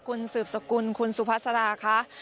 คุณสืบสกุลคุณสุภาษาค่ะ